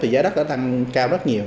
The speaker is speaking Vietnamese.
thì giá đắt đã tăng cao rất nhiều